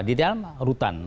di dalam rutan